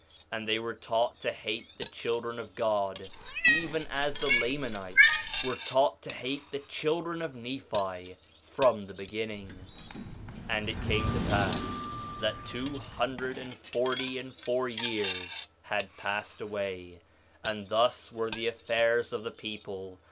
And they were taught to hate the children of God, even as the Lamanites were taught to hate the children of Nephi from the beginning. 4 Nephi 1:40 And it came to pass that two hundred and forty and four years had passed away, and thus were the affairs of the people.